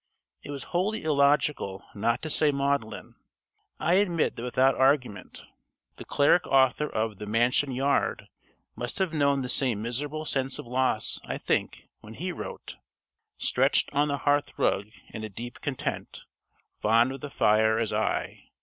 It was wholly illogical, not to say maudlin. I admit that without argument. The cleric author of "The Mansion Yard" must have known the same miserable sense of loss, I think, when he wrote: "Stretched on the hearthrug in a deep content, Fond of the fire as I.